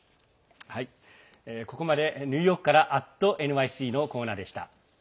ここまでニューヨークから「＠ｎｙｃ」のコーナーでした。